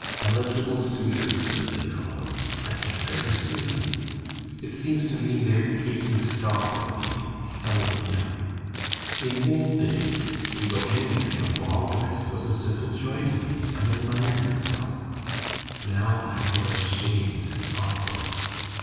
Eligible suitors, as they call them—I can't bear to see them. It seems to me they're taking stock of me and summing me up. In old days to go anywhere in a ball dress was a simple joy to me, I admired myself; now I feel ashamed and awkward.